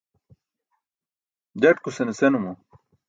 jaṭkusane senumo